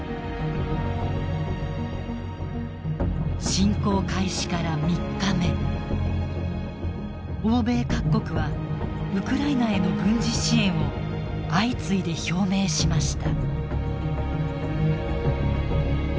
侵攻開始から３日目欧米各国はウクライナへの軍事支援を相次いで表明しました。